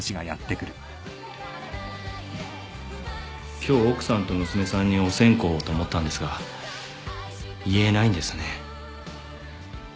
今日奥さんと娘さんにお線香をと思ったんですが遺影ないんですね。